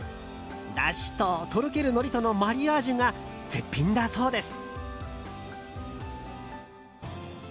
だしととろけるのりとのマリアージュが絶品だそうです。